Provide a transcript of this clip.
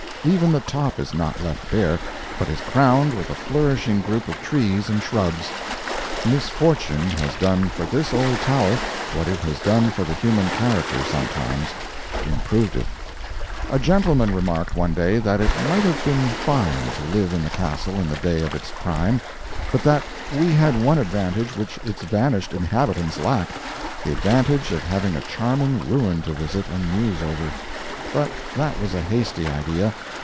Even the top is not left bare, but is crowned with a flourishing group of trees and shrubs. Misfortune has done for this old tower what it has done for the human character sometimes improved it. A gentleman remarked, one day, that it might have been fine to live in the castle in the day of its prime, but that we had one advantage which its vanished inhabitants lacked the advantage of having a charming ruin to visit and muse over. But that was a hasty idea.